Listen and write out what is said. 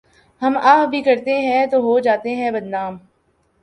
ہم آہ بھی کرتے ہیں تو ہو جاتے ہیں بدنام